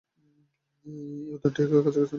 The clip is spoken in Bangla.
এই উদ্যানটি কাজাখস্তানের রাষ্ট্রপতির এখতিয়ারের অধীন।